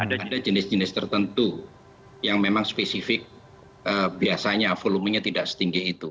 ada jenis jenis tertentu yang memang spesifik biasanya volumenya tidak setinggi itu